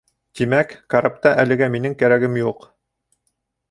Тимәк, карапта әлегә минең кәрәгем юҡ.